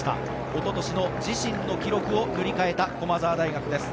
おととしの自身の記録を塗り替えた駒澤大学です。